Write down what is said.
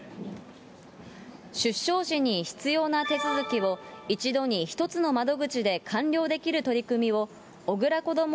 出生時に必要な手続きを一度に一つの窓口で完了できる取り組みを、小倉こども